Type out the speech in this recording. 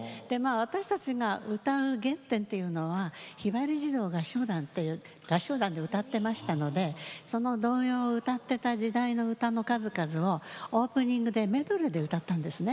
私たちが歌う原点というのはひばり児童合唱団という合唱団で歌ってましたのでその童謡を歌ってた時代の歌の数々をオープニングでメドレーで歌ったんですね。